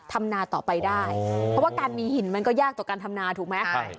ทำนาต่อไปได้เพราะว่าการมีหินมันก็ยากต่อการทำนาถูกไหม